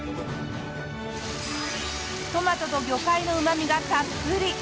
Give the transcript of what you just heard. トマトと魚介のうま味がたっぷり。